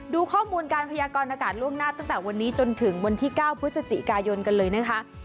ดูข้อมูลการพยากรณากาศล่วงหน้าตั้งแต่วันนี้จนถึงวันที่๙พฤศจิกายนกันเลยนะคะ